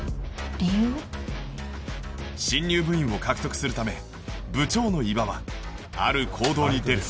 新入部員を獲得するため部長の伊庭はある行動に出る